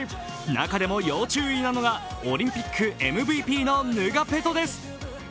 中でも要注意なのがオリンピックＭＶＰのヌガペトです。